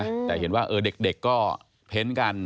แต่เราเห็นว่าเอ้อเด็กก็เพ้นต์กัน